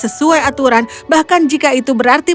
sesuai aturan bahkan jika itu berarti